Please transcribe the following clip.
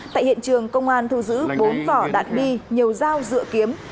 tại hiện trường công an thu giữ bốn vỏ đạn bi nhiều dao dựa kiếm